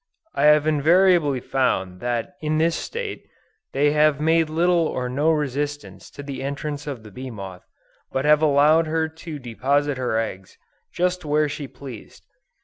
I have invariably found that in this state, they have made little or no resistance to the entrance of the bee moth, but have allowed her to deposit her eggs, just where she pleased.